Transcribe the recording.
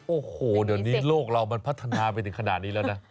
โอ้โหเดี๋ยวนี้โลกเรามันพัฒนาไปถึงขนาดนี้แล้วนะ